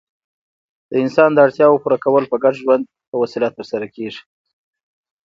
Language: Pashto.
د انسان داړتیاوو پوره کول په ګډ ژوند په وسیله ترسره کيږي.